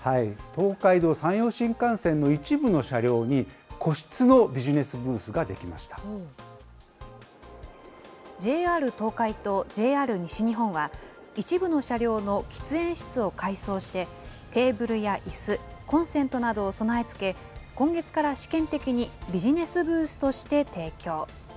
東海道・山陽新幹線の一部の車両に、個室のビジネスブースがＪＲ東海とＪＲ西日本は、一部の車両の喫煙室を改装して、テーブルやいす、コンセントなどを備え付け、今月から試験的にビジネスブースとして提供。